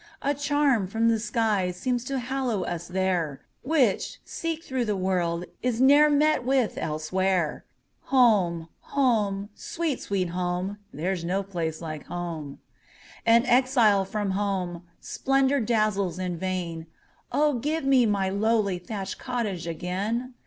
A charm from the sky seems to hallow us there, Which, seek through the world, is ne'er met with elsewhere. Home! home! sweet, sweet home! There 's no place like home! An exile from home, splendor dazzles in vain:O, give me my lowly thatched cottage again!